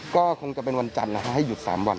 ก็คงจะเป็นวันจันทร์ให้หยุด๓วัน